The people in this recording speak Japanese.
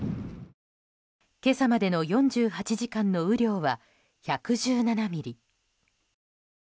今朝までの４８時間の雨量は１１７ミリ。